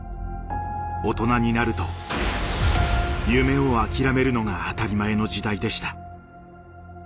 大人になると夢を諦めるのが当たり前の時代でした。